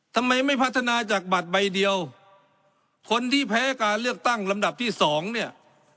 ทำไมไม่พัฒนาจากบัตรใบเดียวคนที่แพ้การเลือกตั้งลำดับที่สองเนี่ย